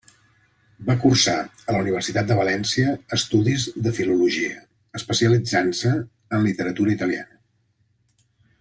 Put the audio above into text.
Va cursar a la Universitat de València estudis de filologia, especialitzant-se en literatura italiana.